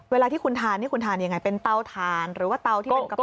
เวลาที่คุณทานคุณทานอย่างไรเป็นเตาทานหรือว่าเตาที่เป็นกระป๋องแก๊ส